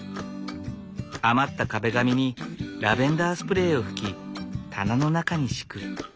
余った壁紙にラベンダースプレーを吹き棚の中に敷く。